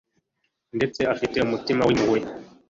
ndetse afite umutima w'impuhwe,